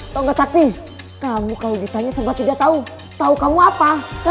tau gak sakti kamu kalau ditanya sebab tidak tahu tahu kamu apa